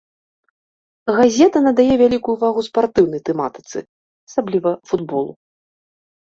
Газета надае вялікую ўвагу спартыўнай тэматыцы, асабліва футболу.